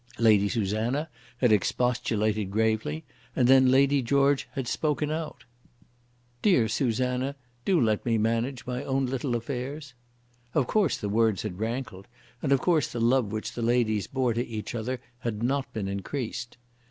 Lady Susanna had expostulated gravely, and then Lady George had spoken out. "Dear Susanna, do let me manage my own little affairs." Of course the words had rankled, and of course the love which the ladies bore to each other had not been increased.